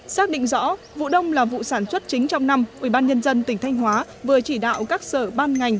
xác định rõ vụ đông là vụ sản xuất chính trong năm ubnd tỉnh thanh hóa vừa chỉ đạo các sở ban ngành